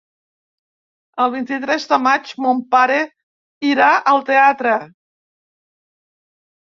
El vint-i-tres de maig mon pare irà al teatre.